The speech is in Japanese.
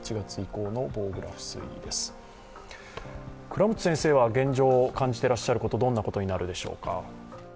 倉持先生は現状感じていらっしゃることはどんなことでしょうか？